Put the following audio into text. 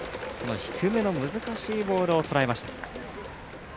低めの難しいボールをとらえました。